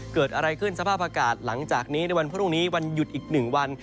เกิดอะไรขึ้นสภาพอากาศหลังจากนี้ในวันพรุ่งนี้วันหยุดอีกหนึ่งวัน